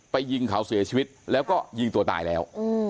ยิงเขาเสียชีวิตแล้วก็ยิงตัวตายแล้ว